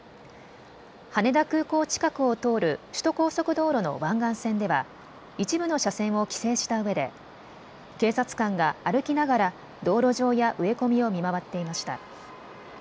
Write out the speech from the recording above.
羽田空港近くを通る首都高速道路の湾岸線では一部の車線を規制したうえで警察官が歩きながら道路上や植え込みを見回っていました。